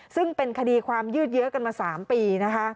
ซึ่งเป็นคดีความยืดเยอะกันมา๓ปีนะคะ